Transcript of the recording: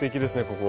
ここ。